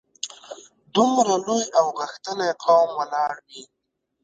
دومره لوی او غښتلی قوم ولاړ وي.